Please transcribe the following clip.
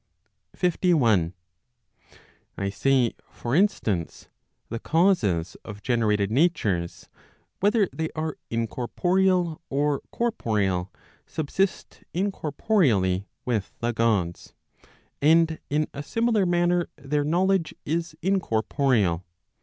51. I say, for instance, the causes of generated natures, whether they are incorporeal or corporeal, subsist incorporcally with the Gods; and in a similar manner their knowledge is incorporeal.